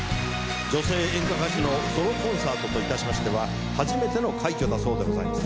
女性演歌歌手のソロコンサートといたしましては初めての快挙だそうでございます。